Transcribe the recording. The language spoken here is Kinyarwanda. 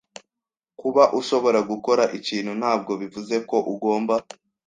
Kuba ushobora gukora ikintu ntabwo bivuze ko ugomba.